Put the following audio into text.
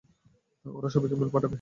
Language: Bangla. ওরা সবাইকে মেইল পাঠাবে।